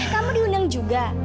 kamu diundang juga